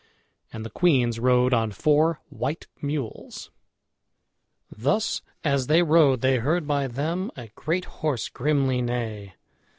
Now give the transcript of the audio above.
And the queens rode on four white mules. Thus as they rode they heard by them a great horse grimly neigh.